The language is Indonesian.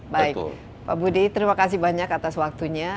baik pak budi terima kasih banyak atas waktunya